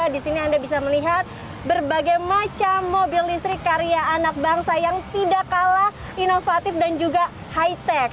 di sini anda bisa melihat berbagai macam mobil listrik karya anak bangsa yang tidak kalah inovatif dan juga high tech